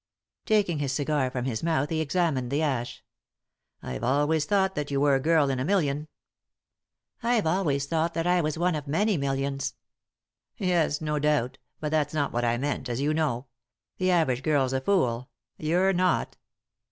Taking his cigar from his mouth he examined the ash. " I've always thought that you were a girl in a million." "I've always thought that I was one of many millions." "Yes; no doubt; but that's not what I meant, as you know. The average girl's a fool ; you're not."